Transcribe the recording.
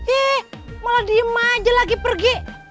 ih malah diema aja lagi pergi